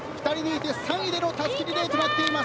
３位でのたすきリレーとなっています。